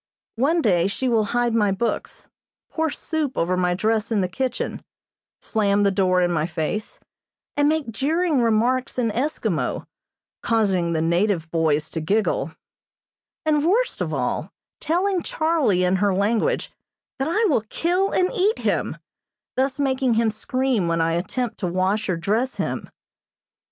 One day she will hide my books, pour soup over my dress in the kitchen, slam the door in my face, and make jeering remarks in Eskimo, causing the native boys to giggle; and worst of all, telling Charlie in her language that I will kill and eat him, thus making him scream when I attempt to wash or dress him.